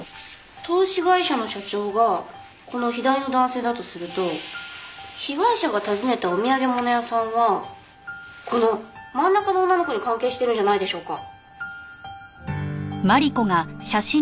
投資会社の社長がこの左の男性だとすると被害者が訪ねたお土産物屋さんはこの真ん中の女の子に関係してるんじゃないでしょうか。